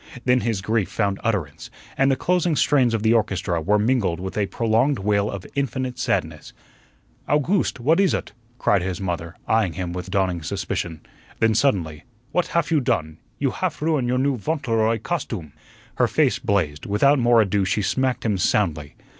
Then his grief found utterance, and the closing strains of the orchestra were mingled with a prolonged wail of infinite sadness. "Owgooste, what is ut?" cried his mother eyeing him with dawning suspicion; then suddenly, "What haf you done? You haf ruin your new Vauntleroy gostume!" Her face blazed; without more ado she smacked him soundly.